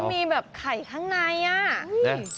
ก็มีแบบไข่ข้างใน